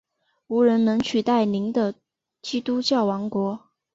无人能取代您的基督教王国！